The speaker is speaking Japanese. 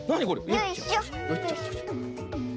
よいしょ。